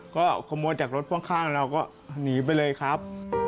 ก็ขโมยจากรถพ่วงข้างเราก็หนีไปเลยครับ